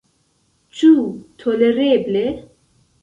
Ĉu tolereble?